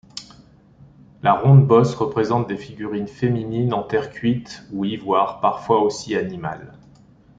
La ronde-bosse représente des figurines féminines en terre cuite ou ivoire, parfois aussi animales.